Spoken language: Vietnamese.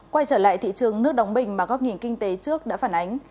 quay trở lại thị trường nước đóng bình mà góc nhìn kinh tế trước đã phản ánh